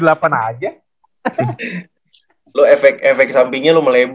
lo efek efek sampingnya lu melebar